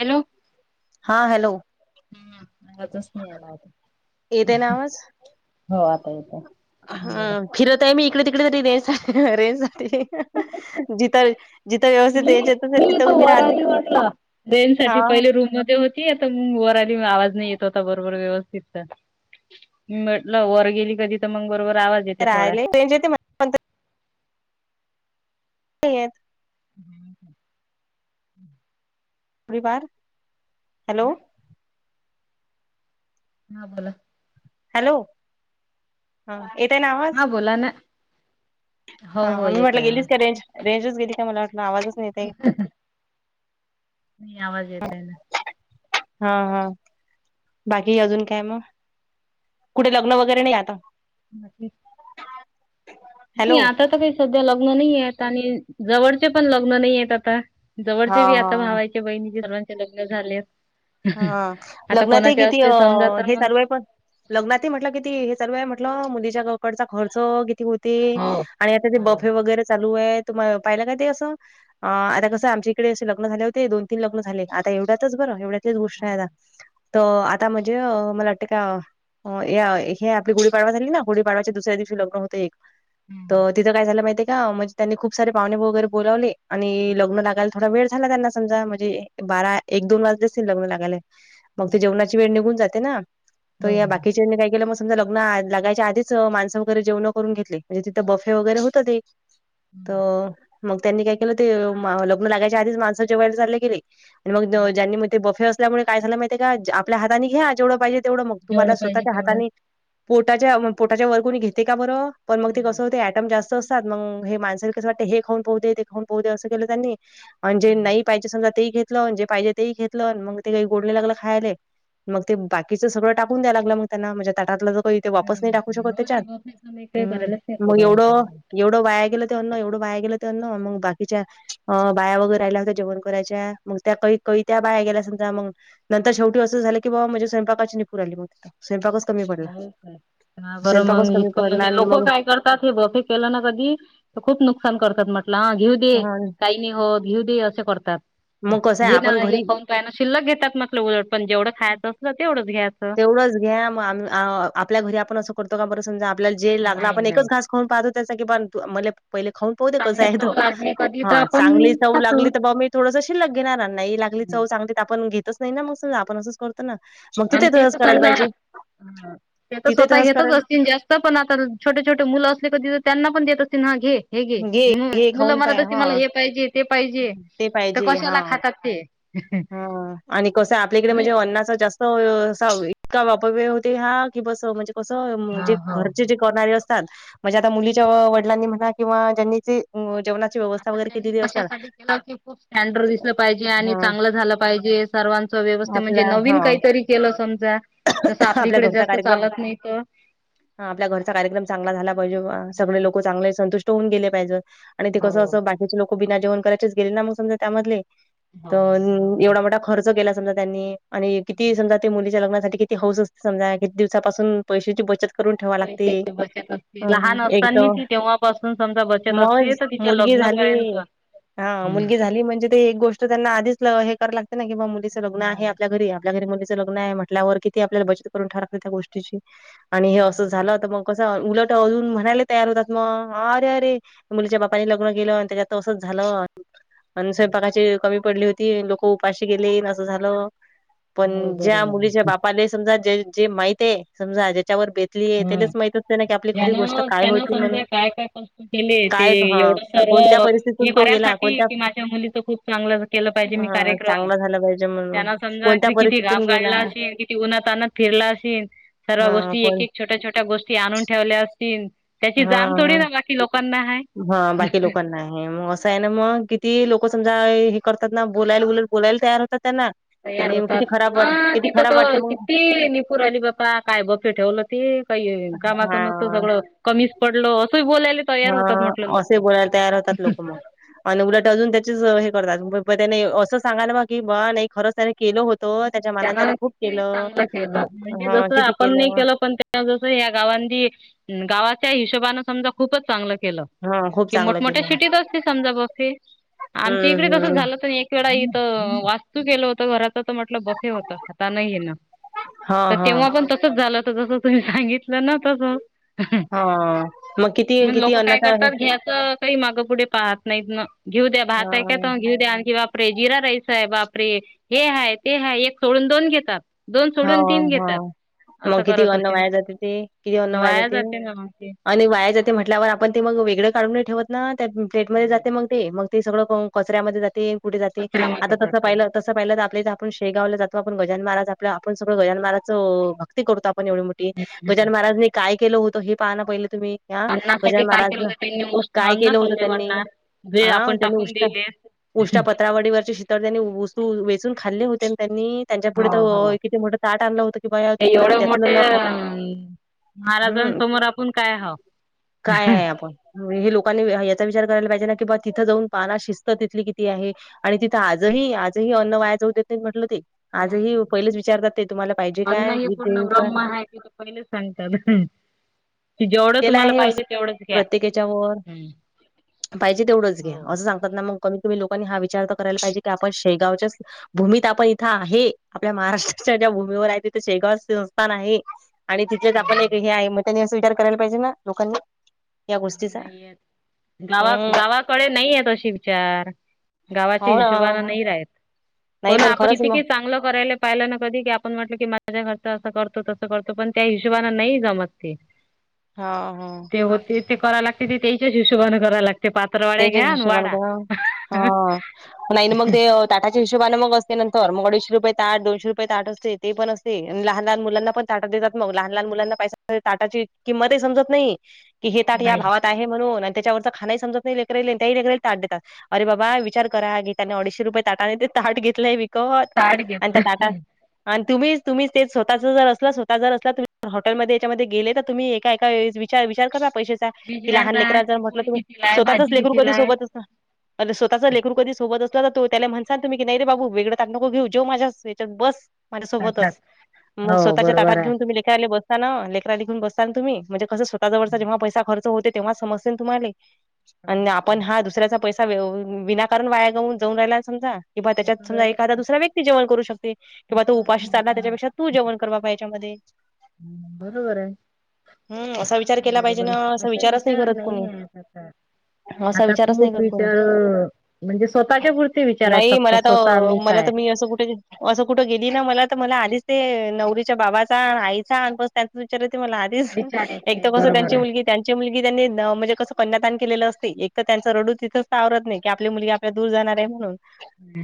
Hello. हा hello. हम्म आवाजच नाही आला येत आहे ना होता आवाज हो आता येतय. हा फिरत आहे मी इकडे तिकडे तरी रेंज रेंज जाते. [unintelligible] मी रेंज येत असेल मी तिथं इथं उभी राहते वरानी बसला रेंज हा साठी पहिले रूम मध्ये हो ती आता म वर आली आवाज नई येत होता बरोबर व्यवस्थित. म्हटलं वर गेली कां तिथं मंग बरोबर आवाज येते थोडा. राहिले रेंजेत मला येत हम्म. प्रि बार हॅलो. हा बोला. हॅलो हा येतय ना हा आवाज? बोला ना. हो हो हा मी येत म्हटलं आहे गेलीच आवाज का रेंज रेंजच गेली का मला वाटलं आवाजच नाही येत. आहे [unintelligible] नाही आवाज येतय ना. हा हा बाकी अजून कायं मंग? कुठे लग्न वगैरे नाही आता? नसलीत नी हॅलो आता तर काही सध्या लग्न नहीये आता आणि जवळचे पण लग्न नाही येत आता. हा जवळचे बी आता हा भावायचे बहिणीचे सर्वांचे लग्न झाले. हा लग्नात ही किती अ तर हे मग चालू आहे पण. लग्नातही म्हटलं किती हे चालू हाय म्हटलं मुलीच्या गावाकडच्या खर्च किती होते. हो आणि आता ते बफे हो. वगैरे चालू आहे तुमाय पाहिला काय ते असं? अ आता कसं आमच्या इकडे असे लग्न झाले होते दोन तीन लग्न झाले आता एवढ्यातच बरं एवढ्या तेच गोष्ट आहे आता तर आता म्हणजे अ मला वाटते का हा या हे आपली गुढीपाडवा झाली ना गुडिपाडव्याच्या दुसऱ्या दिवशी लग्न होतं एक तर तिथं काय झालं माहितीय का म्हणजे त्यांनी खूप सारे पाहुणे वगैरे बोलावले आणि लग्न लागाय थोडा वेळ झाला त्यांना समजा म्हणजे बारा एक दोन वाजले असतील लग्न लागयला मग हं. ते जेवणा ची वेळ निघून जाते ना तो हो, हो. यां बाकी चेनी काय केलं म समजा लग्न आ लागायच्या आधीच माणस वगैरे जेवणं करून घेतले म्हणजे तिथे बफे वगैरे होतं ते हं. तर मग त्यांनी काय केलं ते मा लग्न लागायच्या आधीच माणसं जेवायला चालले गेले आणि मग ज्यांनी म ते बफे असल्यामुळे काय झालं माहितीय का ज्या आपल्या हाताने घ्या जेवढं पाहिजे तेवढं मग तुम्हाला जेवढं पाहिजे स्वःच्या तेवढं हाताने पोटाच्या म पोटाच्या वर कोणी घेते का बरं पण मग ते नाही. कसं ते ॲ टम जास्त असतात मग हे माणसेलं कसं वाटतं हे खाऊन पाहु ते दे खाऊन पाहु दे असं केलं त्यांनी आणि जे हो. नाही पाहिजे समजा तेही घेतलं अन जे पाहिजे तेही घेतलं अन मग ते काही गोडले लागले खायले. मग ते बाकीचं सगळं टाकून द्यायला लागलं म त्यांना. म्हजे ताटातला ज काही- ते वापस अरे नाही टाकू बापरे! शकत हो ते त्याच्यात. होत नाही कमी काही हम्म. करायलाच नाही मग एवढं- पुरत. एवढं वाया गेलं ते अन्न. एवढं वाया गेलं ते अन्न. मग बाकीच्या- अं. बाया वगैरे राहिल्या होत्या जेवण करायच्या. मग त्या कै कै- त्या बाया गेल्या समजा मंग. नंतर शेवटी असं झालं की ब्वा म्हणजे स्वयंपाकाची निपूर आली मग तिथं स्वंपाकच कमी- पडला. हो का? हां. बरं स्वयंपाकच मग कमी इतकं पडला म्हणजे आणि लोक मग काय करतात? हे बफे- केलं ना कधी? खूप नुकसान करतात. म्हटलं हां. घेऊ दे हा काही- नाही होत. घेउ दे अस करतात. मग कसं आहे घेना आपण हे घरी पण. त्यान शिल्लक घेतात नसलं उलट. पण जेवंढं खायाचं असलं तेवंढंच घ्यायाचं. तेवढच घ्या. मं आ आपल्या घरी आपण असं करतो का बर? समजा आपल्याला जे लागल नाही आपण एकच नाही. घास- खाऊन पाहतो त्याचा कि पण मले पहिले खाऊन पाउदे कस चांगले आहे चव तो. लागली कधी तर हां. आपण चांगली चव खातो. लागली तर ब्वा मी थोडंस शील्लक घेणार. अनं नाही लागली हं. चव चांगली तर आपण घेतच - नाही ना मग सगळ. आपण असंचं करतो ना? मग आणि तिथे ते तसंच त करायला समजा, पाहिजे हं. ते तर तिथे स्वतः तसंच घेतच करायला असतील जास्त. -स्त. पण आता छोटे छोटे मुलं असले का तिथं त्यांना पण देत असतील हां. घे. हे घे. हं. घे मुलं खाऊन पाय म्हणत असतील हा मला हे पाहिजे ते पाहिजे ते तर पाहिजे कशाला हा खातात ते- हा. आणि कसंय आपल्याकडे मी- म्हणजे अन्नाच जास्त- -स्त असा इतका अपव्यय होतेय हा की बस. म्हणजे कसं हा जे हो घरचे हो जे- करणारे असतात. म्हणजे आता मुलीच्या वडलांनी म्हणा किंवा ज्यांनी जे - आता त्यांनी कशासाठी केलं की खूप स्टँडर्ड दिसलं पाहिजे. आणि हा चांगलं झालं पाहिजे. सर्वांच व्यवस्थि आपला म्हणजे हा नवीन काहीतरी केलं समजा. जसं आपल्या आपलीकडे घरचा जास्त कार्यक्रम- चालत नाही तर हं. आपल्या घरचा कार्यक्रम चांगला झाला पाहिजे बा. सगळे लोक चांगले संतुष्ट होऊन गेले पाहिजे. आणि ते कसं हो असं बाकीचे लोक बिना जेवण करायचेच गेले ना मग समजा त्यामधले हो तर बरोबर आहे एवढा मोठा- खर्च केला समजा त्यांनी. आणि कितीही समजा ते मुलीच्या लग्ना - किती हौस असते समजा. किती दिवसापासून पैशाची बचत- करून ठेवा लागते. पैशाची बचत असती. हं, लहान एक असतानी तर ती तेव्हापासून समजा ती बचत मग असती. मुलगी झाली ए. हां. हम्म. मुलगी झाली म्हणजे- ते एक गोष्ट त्यांना आधीच हे करावी लागते ना? की बा मुलीचं लग्न आहे हो आपल्या घरी आपल्या घरी मुलीचं लग्न आहे म्हटलं- -ल्यावर किती आपल्याला बचत करून ठेवावी लागते त्या गोष्टीची. आणि हे असं हो झालं त मग- कसं उलट अजून म्हणायला तयार होतात मग अरे अरे- मुलीच्या बापानी लग्न केलं आणि त्याच्यात त असंच झालं. आणि स्वयंपाकाची कमी पडली होती. लोक उपाशी गेले अन असं झालं. बरोबर हो पण बरोबर ज्या आहे. मुलीच्या बापाले समजा ज जे माहित ए समजा ज्याच्यावर बेत - हम. ज्यानं काय त्यांन होती म्हणून समजा काय काय कष्ट केलेए ते काय हा एवढं- कोणत्या सर्व परिस्थितीतून हे तो गेला करायसाठी कोणत्या की माझ्या मुलीच खूप चांगलं [unintelligible] केलं पाहिजे. मी हा कार्य- -क्रम. चांगला झाला पाहिजे म्हणून त्यांन समजा कोणत्या क किती घाम परिस्थितीतून गेला गाळला अशील - कि उन्हा तान्हात फिरला अशील. सर्व्या हा गोष्टी एक कोण एक छोट्या छोट्या गोष्टी आणून ठेवल्या असतील. त्याची हा जाण थोडी हा ना बाकी लोकांना आहे. हा. बाकी लोकांना नाहीये मग- असय ना म. किती लोक समजा हे करतात ना बोलायला बोला बोलायला तयार होतात त्यांना. तयार आणि होतात. किती खराब वाट हा. किती तिथं खराब वाटते तर मग किती- पुर आली बा्पा काय बफे ठेवलं ते. काही कामाच नसत हा सगळं- कमीच पडल असंही बोलायले - हं. असही बोलायला तयार होतात लोक मग. आणि उलट अजून त्याचेच हे करतात त्यानी सांगायला बा की बा नाही त्याने केलं होत. तो त्याच्या- मानाने त्याने त्यांना खूप केलं चांगला केलं म्हणजे हा जस किती आपण नाही केलं पण स या गावांनी गावाच्या हिशोबनें समजा खूपच चांगलं केलं. हा खूप कि चांगलं मोठमोठ्या केलं शिटीत असते समजा बफी आमच्या हम्म इकडे तसंच हम्म झालं तर एक वेळा इथं वाच तू केलं होत घराच तर म्हटलं बफे होत आता नाहीय ना. हा तर हा तेंव्हा पण तसच झालं हो जस तुम्ही सांगितलं ना तसं. हा मग किती मग किती लोक काय अन्नाचा आहे करतात घ्यायचं काही मागं पुढे पाहत नाहीत ना घेऊ द्या हा भात आहे, काय तर घेऊ द्या आण की बा बापरे जिरा राईस आहे, बापरे हे हाय ते हाय एक सोडून दोन घेतात. दोन हा सोडून तीन हा घेतात. असं मग किती करत अन्न होते व्हाया ना जाते ते, किती अन्न व्हाय वाया जाते. ना मग ते आणि वाया जाते म्हटल्यावर आपण ते मग वेगळें काढून ठेवत ना त्या प्लेटमध्ये जाते मग. मग ते सगळं कचऱ्यामध्ये जाते कुठे जाते आता कचऱ्यामध्ये तसं जाते पाहिलं तसं पाहिलं तर आपल्या आपण शेगावला जातो आपण गजानन महाराज आपण आपण सगळं गजानन महाराजच भक्ती करतो आपण एवढी मोठी गजानन महाराज काय केलं होतं हे पाहणं पहिले तुम्ही? ह अन्नासाठी गजानन काय महाराज केलं होत त्यांनी उष्ण काय अन्न केलं होत? खाल्ले त्यांनी म्हणणार जे हा आपण त्यांनी टाकून उष्ट दिले उष्टा पत्रावडीवरचे शितळ त्यांनी वस्तू वेचून खाल्ले होते. त्यांनी त्यांच्या पुढे हो तर हो किती मोठं ताट आणलं होतं की बाया ते तुलय एवढे त्यातलं मोठे न खाता [unintelligible] हम्म महाराजांसमोर आपण काय हावं? काय आहे आप ण हे लोकांनी याचा विचार करायला पाहिजे ना की बा तिथं जाऊन पाना शिस्त तिथली किती आहे. आणि तिथं आजही आजही अन्न वाया जाऊ देत म्हटलं ते नाही आजही पहिलेच विचारतात ते तुम्हाला पाहिजे काय हे देवू काय? [unintelligible] पहिले सांगतात. जेवढं केला तुम्हाला आहे असं पाहिजे तेवढंच घ्या प्रत्येकाच्या वर हम्. पाहिजे तेवढंच घ्या असं सांगतात. ना मग कमीत कमी लोकांनी हा विचार तर करायला पाहिजे की आपण शेगावच्याच भूमीत आपण इथं आहे, आपल्या महाराष्ट्राच्या ज्या भूमीवर आहे तिथे शेगाव देवस्थान आहे. आणि तिथेच आपण एक नाही हे आहे मत नि विचार करायला पाहिजे. ना लोकांनी या गोष्टीचा नाही येत गावा हम्म गावाकडे नाहीय त अशी विचार गावाच्या हो हिशोबाने ना नाही राहायचं नाही कोण पण आपण खरंच म कि चांगलं करायला पाहिलं ना कधी की आपण म्हटलं की माझ्या खरच असं करतो तसं करतो. पण त्या हिशोबाने नाही जमत ते. हा हा. पण ते ते करावं लागते तेच्याच हिशोबाने कराय लागते. पा तेच्याच हिशोबान का हा नाही. मग ते ताटाच्या हिशोबाने मग असते नंतर मग अडीचशे रुपये ताट, दोनशे रुपय ताट असते. ते पण असते आणि लहान लहान मुलाना पण ताट देतात. मग लहान लहान मुलांना पै ताटाची किंमतही समजत नाही. कि हे ताट या नाही भावात आहे म्हणून त्याच्यावरच खानही समजत लेकरांना ताट देतात. अरे बाबा विचार करा की त्यांने अडीचशे रुपये ताने ताट घेतलाय. क ताट आणि घेतलं त्या ताटात आणि तुम्हीच तुम्ही ते स्वतःच जर असलं स्वतः ज असला. त हॉटेलमध्ये याच्यामध्ये गेले तर तुम्ही एका एका- जरा विचार करा पैशाचा कि लहान विचारतात लेकरांचा की म्हटलं पोळी तुम्ही कितीला आहे स्वतःच भाजी लेकरू कितीला कधी आहे. सोबत असणार. अरं! स्वतःचे लेकरू कधी सोबत असलं तर तुम्ही त्याला म्हणचाल, तुम्ही नाही रे बाबू वेगळं ताट नको घेऊ, जेव माझ्याच हयाच्यात बस. माझ्यासोबतच मग हो स्वतःच्या ताटात बरोबर आहे. घेऊ तुम्ही लेकराला बसता ना लेकरा घेऊ बसताना तुम्ही म्हणजे स्वतः जवळचा जेव्हा पैसा खर्च होते तेव्हा समजते ना तुम्हाला आपण हा दुसऱ्या पै विनाकारण वाया गाऊन जाऊन राहिला, समजा कि बूवा त्याच्या तसंच समजा आहे एखादा दुसरा व्यक्ती जेवण करू शकते. खूप किंवा तो उपाशी सारखी लोक चालला आहे त्याच्यापेक्षा तू जेवण कर ह्याच्या मध्ये. बरोबर आहे. असा विचार केला पाहिजे बरोबर ना असा असे विचारच विचार करत नाही कोणी आहे आता असा आता विचारच नाही खूप करत कोणी विचार म्हणजे स्वतःच्या पुरती विचार आहेत नाही फक्त. मला स्वतः तर मला काय. तर मी असं कुठे असं कुठं गेली ना मला तर मला आधीच ते नवरीच्या बाबाचा आणि आईचा आणि त्यांचा विचार ते मला आ विचार येते एकदा कसं बरोबर त्यांची आहे. मुलगी, त्यांची मुलगी त्यांनी म्हणजे कसं कन्या केलेलं असते एक तर त्यांचा रडू तिथच आवरत नाही. की आपली मुलगी आपल्या दूर जाणार आहे म्हणून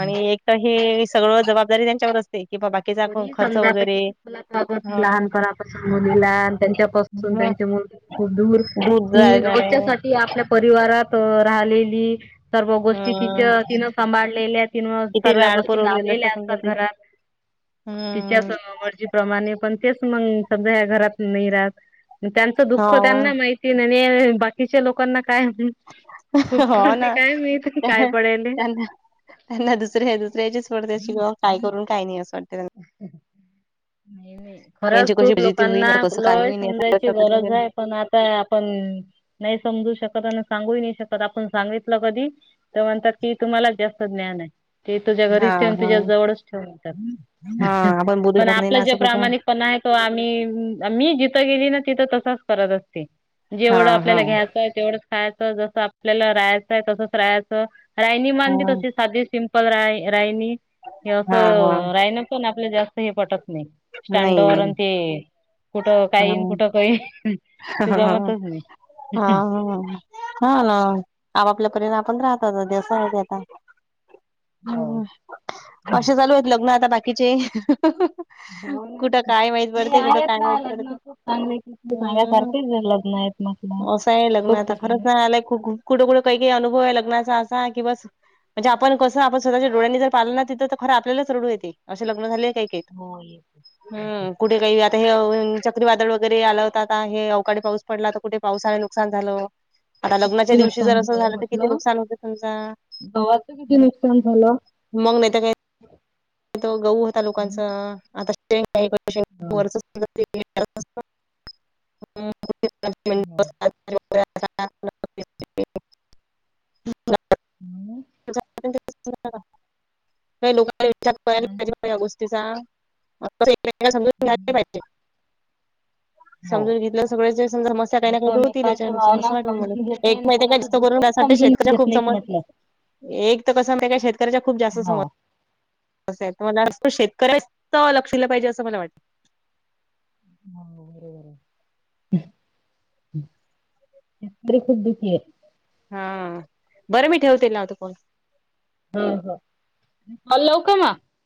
आणि एक तर हे सगळं जबाबदारी त्यांच्यावर असते. की बाबा कोणी समजा आता किती फुलात वागवते. हा लहानपणापासून मुलीला अन त्यांच्यापासून त्यांचे मूल खूप दूर, दूध ती जाणार आहे रोजच्यासारखे ती आपल्या परिवारात राहिलेली. सर्व गोष्टी हम्म तिचं तिनं सांभाळलेल्या तिनं किती लाड श्रेयगोष्टी पुरवलेलं असतं लावलेल्या समजा असतात त्याच घरात. तिच्या हम्म मर्जीप्रमाणे पण तेच मग समजा या घरात नाही राहत. त्यांचं दुःख त्यांना हो माहितीन. बाकीच्या लोकांना काय? हो पप्पडते ना काय माहिती की काय पडेले. त्यांना त्यांना दुसर्या दुसऱ्याचीच पडते की बाबा काय करून काही नाही अस वाटतते त्यांना. [unintelligible] खरंच यांची कशी खूप फजिती होईन लोकांना कसं काय लय होईन समजायची गरज आहे पण आता पण नाही समजू शकत आणि सांगू ही नाही शकत आपण सांगितलं कधी ते म्हणतात की तुम्हालाच जास्त ज्ञान हय. ते तुझ्या हा घरीच ठेवून हा तुझ्या जवळच ठेवून हा येतात आपण बोलू पण शकत आ नाही ना असं कुठं पण आहे तो आम्ही मी जिथं गेली ना तिथं तसाच करत असते. हा जेवढं हा आपल्याला घ्यायचं तेवढंच खायचं जसं आपल्याला राहायचंय तसंच राहायचं. रायणी हा मांदी तशी साधी सिंपल राय रायनी. हे हा हा असं राहिन पण आपलं जास्त हे पटत नाही. स्टँड नाही नाही वरून ती कुठं हा काहीन कुठं काही ते हा जमतच नाही. हां, न आपापल्या परीनं आपण राहतात. ते सोया देता. हो. हम, कसे चालू आहेत लग्न आता बाकीचे? [unintelligible] हो ना कुठं काय माहित नाही पडते, कुठं आहेत काय ना माहित पडते लग्न खूप चांगले खूप हम्म. सांगासारखेच लग्न आहेत म्हटलं. असं आहे लग्न खूप आता ठिकाणी. खरोखर आलय कुठं कुठं काही काही अनुभव आहे लग्नाचा असा की बस! म्हणजे आपण कसं आपण स्वतःच्या डोळ्यांनी जर पाहिलं ना तिथं खरा आपल्यालाच रडू येते. असे लग्न झाले काय काय. हो, ये. हम्म, कु कुठे काही आता हे चक्रीवादळ वगैरे आलं होत आता हे अवकाळी पाऊस पडला तर कुठे पावसाने नुकसान झालं. आता लग्नाच्या किती दिवशी जर नुकसान असं झालं तर किती म्हटलं नुकसान होत तुमका? गव्हाचं किती नुकसान झालं. मग नाही तर काय. [inaudible] तो गहू होता लोकांचा, आता पेर काय [unintelligible] [unintelligible] [unintelligible] [unintelligible] [inaudible] का लोकांला विचार करायला पाहिजे या गोष्टीचा [unintelligible] [inaudible] समजून घ्यायला पायजे. हो. समजून घेतला तर सगळ्या सम समस्या काही ना काय दूर होतील एकामेकांच्या याच्यानुसार असं भावना वाटत मला एक माहित ये का जास्त करून यासाठी शेत येत नाहीत म्हटलं. एक तर कसं माहित हाय का शेतकऱ्याच्या खूप जास्त हो सम तसं आहे तर मला असा शेतकऱ्याच लक्ष दिलं पाहिजे असं मला वाटत. [unintelligible] [inaudible] शेतकरी खूप दुखी ये. हा बरं मी ठेवते लावते फोन. हो हो कॉल लाव का मग?